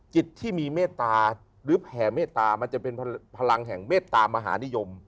จิตที่มีเมตตาหรือแผ่เมตตามันจะเป็นพลังแห่งเมตตามหานิยม